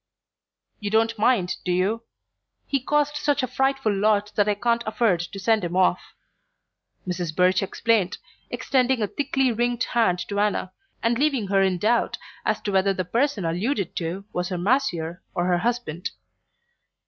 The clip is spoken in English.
"You don't mind, do you? He costs such a frightful lot that I can't afford to send him off," Mrs. Birch explained, extending a thickly ringed hand to Anna, and leaving her in doubt as to whether the person alluded to were her masseur or her husband.